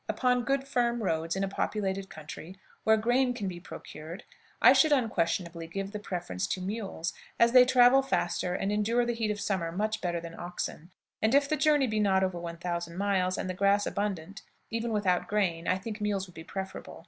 Upon good firm roads, in a populated country, where grain can be procured, I should unquestionably give the preference to mules, as they travel faster, and endure the heat of summer much better than oxen; and if the journey be not over 1000 miles, and the grass abundant, even without grain, I think mules would be preferable.